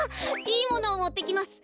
いいものをもってきます。